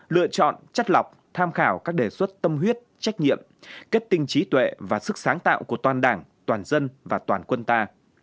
lựa chọn chất lọc tham khảo các đề xuất tâm huyết trách nhiệm kết tinh trí tuệ và sức sáng tạo của toàn đảng toàn dân và toàn quân ta